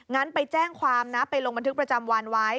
งั้นไปแจ้งความนะไปลงบันทึกประจำวันไว้